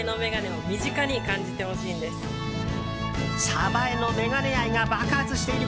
鯖江の眼鏡愛が爆発している